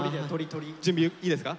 準備いいですか？